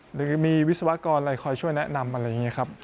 หรือมีวิศวกรอะไรคอยช่วยแนะนำอะไรอย่างนี้ครับ